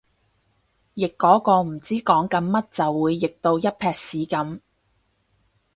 譯嗰個唔知講緊乜就會譯到一坺屎噉